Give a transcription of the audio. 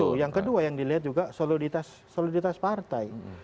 itu yang kedua yang dilihat juga soliditas partai